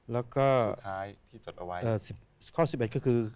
แล้วก็ข้อ๑๑ก็คือ